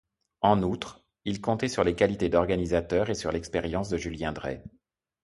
En outre, il comptait sur les qualités d’organisateur et sur l’expérience de Julien Dray.